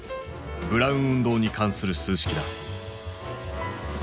ブラウン運動に関する数式だ。